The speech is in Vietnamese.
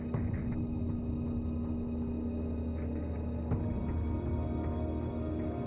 từ tổng hợp hùng phạm